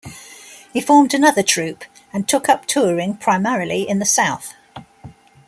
He formed another troupe and took up touring primarily in the South.